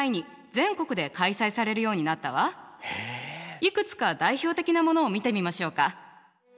いくつか代表的なものを見てみましょうか。